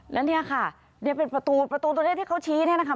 แล้วเนี่ยค่ะนี่เป็นประตูประตูตรงนี้ที่เขาชี้เนี่ยนะคะ